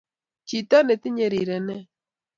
Jito netinye rirenet